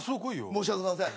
申し訳ございません。